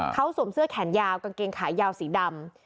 เขาสวมเสื้อแขนยาวกางเกงขายาวสีดำ